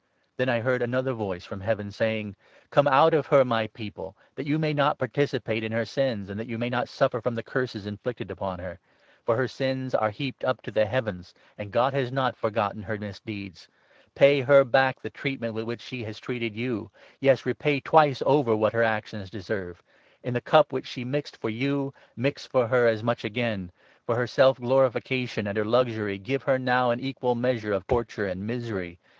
Then I 4 heard another voice from Heaven saying —' Come out of her, my People, that you may not participate in her sins, and that you may not suffer from the Curses inflicted upon her. For 5 her sins are heaped up to the heavens, and God has not for gotten her misdeeds. Pay her back the treatment with which 6 she has treated you ; yes, repay twice over what her actions deserve ; in the cup which she mixed for you, mix for her as much again ; for her self glorification and her luxury, give her 7 now an equal measure of torture and misery.